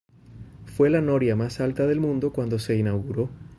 Fue la noria más alta del mundo cuando se inauguró.